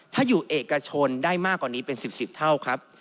ถ้าอยู่เอกชนได้มากกว่านี้เป็น๑๐เท่าครับ